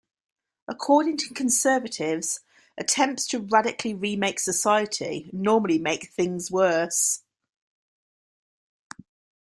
According to conservatives, attempts to radically remake society normally make things worse.